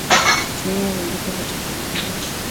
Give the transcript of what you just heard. Tumia vijiko vya chakula mbili